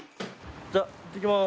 じゃいってきます。